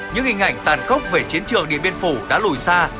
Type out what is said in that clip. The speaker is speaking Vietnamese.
những hình ảnh tàn khốc về chiến trường điện biên phủ đã lùi xa